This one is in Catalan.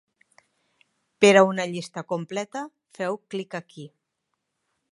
Per a una llista completa, feu clic aquí.